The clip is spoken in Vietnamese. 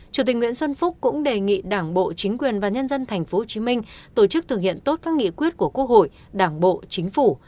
chủ tịch nguyễn xuân phúc cũng đề nghị đảng bộ chính quyền và nhân dân tp hcm tổ chức thực hiện tốt các nghị quyết của quốc hội đảng bộ chính phủ